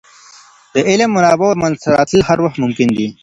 د علم د منابعو منځته راتلل هر وخت ممکن دی.